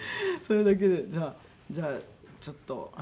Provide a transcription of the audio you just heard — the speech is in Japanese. それだけでじゃあちょっと。